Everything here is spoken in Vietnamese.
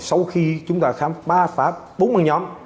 sau khi chúng ta khám phá phá bốn băng nhóm